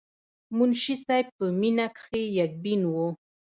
منشي صېب پۀ مينه کښې يک بين وو،